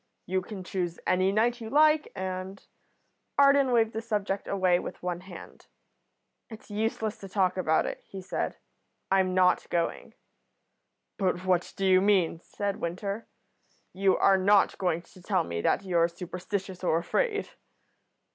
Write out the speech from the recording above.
You can choose any night you like, and " Arden waved the subject away with one hand. "It's useless to talk about it," he said, "I'm not going." "But what do you mean?" said Winter. "You are not going to tell me that you're superstitious or afraid?"